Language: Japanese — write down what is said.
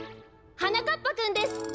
はなかっぱくんです！